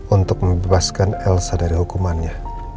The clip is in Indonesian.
untuk membebaskan elsa dari hukumannya